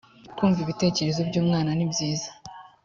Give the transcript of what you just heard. kumva ibitekerezo by’umwana ni byiza